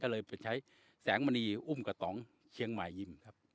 ก็เลยไปใช้แสงมณีอุ้มกระต๋องเชียงใหม่ยิ้มครับ